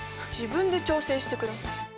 自分で調整してください。